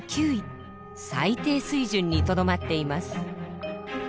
最低水準にとどまっています。